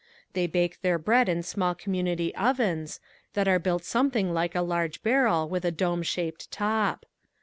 They bake their bread in small community ovens that are built something like a large barrel with a dome shaped top.